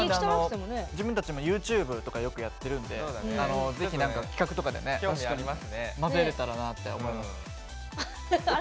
自分たちもＹｏｕＴｕｂｅとかよくやってるので企画とかに混ぜられたらなって思います。